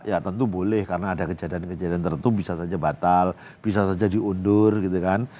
ya tentu boleh karena ada kejadian kejadian tertentu bisa saja batal bisa saja diundur gitu kan